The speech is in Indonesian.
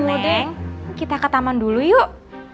neneng kita ke taman dulu yuk